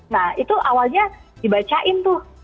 nah itu awalnya dibacain tuh